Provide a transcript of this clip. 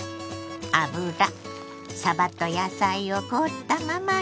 油さばと野菜を凍ったまま入れ